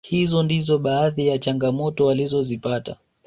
Hizo ndizo baadhi ya changamoto walizozipata